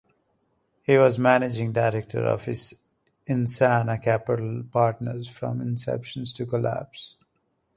He was Managing Director of Insana Capital Partners from inception to collapse.